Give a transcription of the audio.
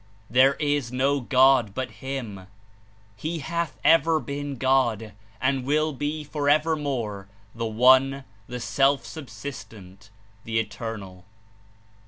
There Is no God but Him. He hath ever been God, and will be forever more the One, the Self subslstent, the Eternal.